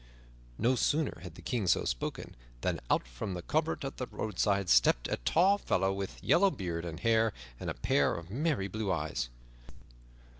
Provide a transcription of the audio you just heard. No sooner had the King so spoken, than out from the covert at the roadside stepped a tall fellow with yellow beard and hair and a pair of merry blue eyes.